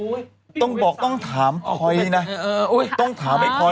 อุ๊ยต้องบอกต้องถามพอยนะต้องถามพอยนะว่าพอยเนี่ยมันหยิบค้อนทุบหัวเธอหรือเปล่า